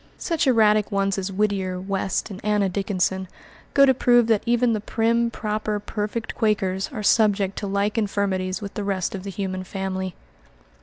Such erratic ones as Whittier, West, and Anna Dickinson go to prove that even the prim, proper, perfect Quakers are subject to like infirmities with the rest of the human family.